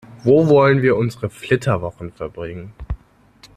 Wo wollen wir unsere Flitterwochen verbringen?